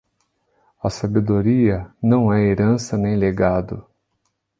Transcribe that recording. A sabedoria não é herança nem legado.